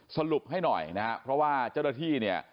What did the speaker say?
สรุปให้หน่อยนะครับเพราะว่าเจ้าหน้าที่เนี่ย